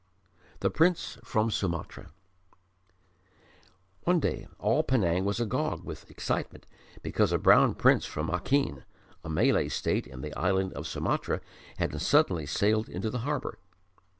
The Prince from Sumatra One day all Penang was agog with excitement because a brown Prince from Acheen, a Malay State in the island of Sumatra, had suddenly sailed into the harbour.